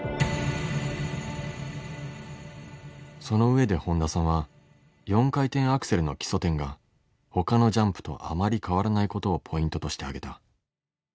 その上で本田さんは４回転アクセルの基礎点がほかのジャンプとあまり変わらないことをポイントとしてあげた。